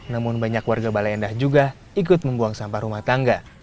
namun banyak warga balai endah juga ikut membuang sampah rumah tangga